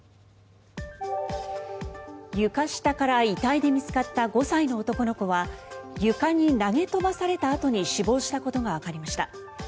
床下から遺体で見つかった５歳の男の子は床に投げ飛ばされたあとに死亡したことがわかりました。